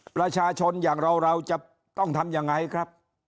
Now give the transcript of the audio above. ประชาชนอย่างเราเราจะต้องทำยังไงครับ